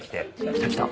来た来た。